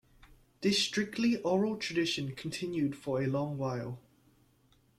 This strictly oral tradition continued for a long while.